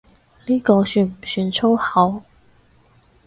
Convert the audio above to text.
呢個算唔算粗口？